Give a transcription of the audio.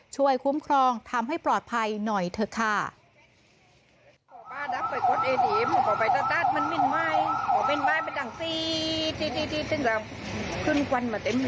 ช่วยคุ้มครองทำให้ปลอดภัยหน่อยเถอะค่ะ